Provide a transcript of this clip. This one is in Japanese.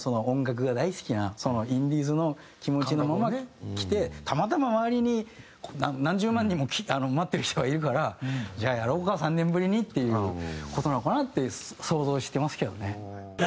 インディーズの気持ちのままきてたまたま周りに何十万人も待ってる人がいるからじゃあやろうか３年ぶりにっていう事なのかなって想像してますけどね。